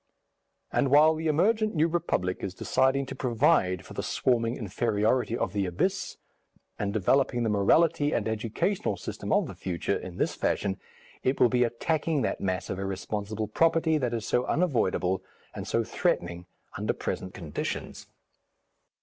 And while the emergent New Republic is deciding to provide for the swarming inferiority of the Abyss, and developing the morality and educational system of the future, in this fashion, it will be attacking that mass of irresponsible property that is so unavoidable and so threatening under present conditions.